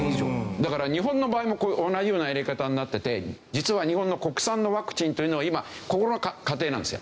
だから日本の場合もこういう同じようなやり方になってて実は日本の国産のワクチンというのは今ここの過程なんですよ。